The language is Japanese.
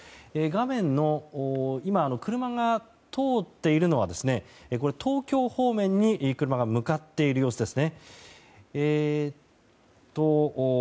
画面の、今車が通っているのは東京方面に車が向かっている様子です。